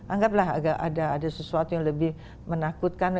anggaplah agak ada sesuatu yang lebih menakutkan